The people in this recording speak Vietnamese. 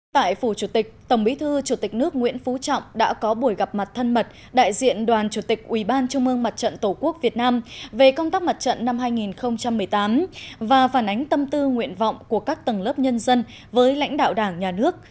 tại phủ chủ tịch tổng bí thư chủ tịch nước nguyễn phú trọng đã có buổi gặp mặt thân mật đại diện đoàn chủ tịch ủy ban trung mương mặt trận tổ quốc việt nam về công tác mặt trận năm hai nghìn một mươi tám và phản ánh tâm tư nguyện vọng của các tầng lớp nhân dân với lãnh đạo đảng nhà nước